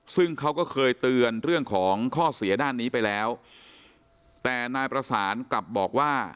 ซึ่งเขาก็เคยเตือนเรื่องของข้อเสียด้านนี้ไปแล้วแต่นายประสานกลับบอกว่า